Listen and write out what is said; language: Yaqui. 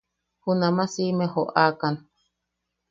Junama siʼime joʼakan.